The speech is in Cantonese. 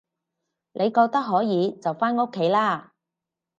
你覺得可以就返屋企啦